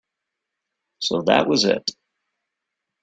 So that was it.